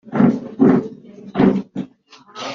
igihe kirahenda.